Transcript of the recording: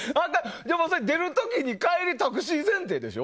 でも、出る時に帰り、タクシー前提でしょ。